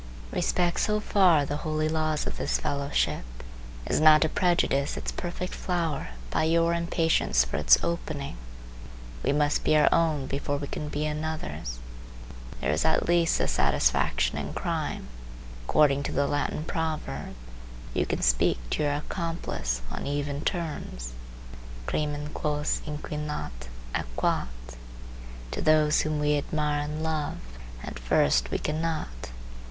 Respect so far the holy laws of this fellowship as not to prejudice its perfect flower by your impatience for its opening. We must be our own before we can be another's. There is at least this satisfaction in crime, according to the Latin proverb;—you can speak to your accomplice on even terms. Crimen quos inquinat, æquat. To those whom we admire and love, at first we cannot.